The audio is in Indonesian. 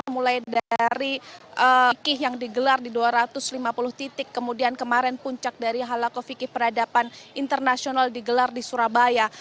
mulai dari kih yang digelar di dua ratus lima puluh titik kemudian kemarin puncak dari halakofikih peradaban internasional digelar di surabaya